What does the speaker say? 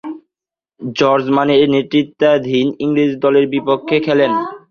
George মানের নেতৃত্বাধীন ইংরেজ দলের বিপক্ষে খেলেন।